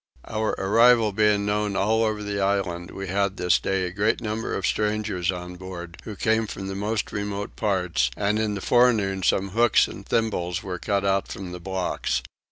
Our arrival being known all over the island, we had this day a great number of strangers on board who came from the most remote parts, and in the forenoon some hooks and thimbles were cut out from the blocks.